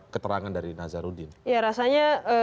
keterangan dari nazarudin ya rasanya